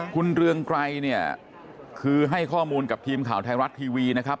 คุณเรืองไกรเนี่ยคือให้ข้อมูลกับทีมข่าวไทยรัฐทีวีนะครับ